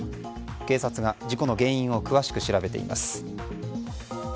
警察が事故の原因を詳しく調べています。